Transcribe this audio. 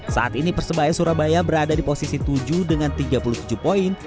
saat ini persebaya surabaya berada di posisi tujuh dengan tiga puluh tujuh poin